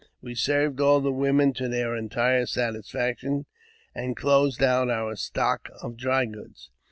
We served all the women to their entire satisfaction, and closed out our stock of dry goods.